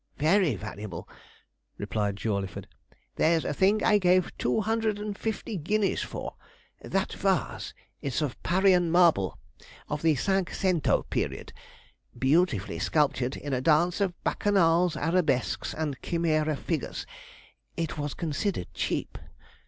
'Very valuable,' replied Jawleyford. 'There's a thing I gave two hundred and fifty guineas for that vase. It's of Parian marble, of the Cinque Cento period, beautifully sculptured in a dance of Bacchanals, arabesques, and chimera figures; it was considered cheap.